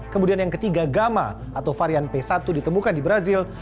kemudian yang ketiga gamma atau varian b satu satu lima satu ditemukan di brazil